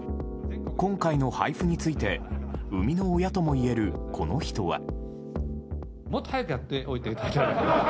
今回の配布について生みの親ともいえるこの人は。